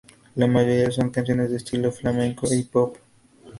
La mayoría son canciones de estilo flamenco y pop.